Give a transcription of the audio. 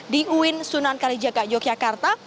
di uin sunan kalijaga yogyakarta